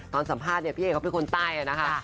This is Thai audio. สัมภาษณ์เนี่ยพี่เอกเขาเป็นคนใต้นะคะ